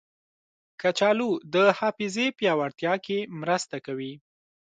کچالو د حافظې پیاوړتیا کې مرسته کوي.